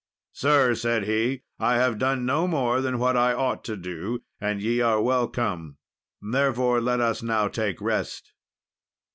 "Sir," said he, "I have done no more than what I ought to do, and ye are welcome; therefore let us now take rest."